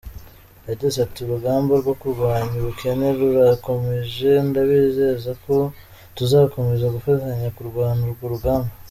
yagize ati urugamba rwo kurwanya ubukene rurakomeje, ndabizeza ko tuzakomeza gufatanya kurwana urwo rugamba.